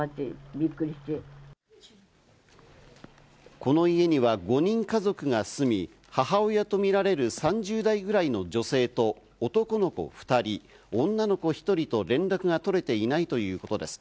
この家には５人家族が住み、母親とみられる３０代ぐらいの女性と男の子２人、女の子１人と連絡が取れていないということです。